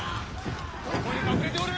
どこに隠れておる！